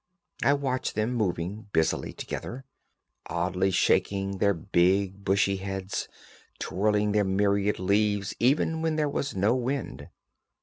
I watched them moving busily together, oddly shaking their big bushy heads, twirling their myriad leaves even when there was no wind.